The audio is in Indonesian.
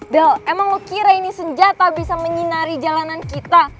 del emang mau kira ini senjata bisa menyinari jalanan kita